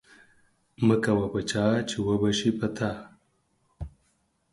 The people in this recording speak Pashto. مکوه په چاه چې و به سي په تا.